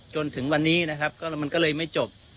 จนถึงวันนี้นะครับมันก็เลยไม่จบ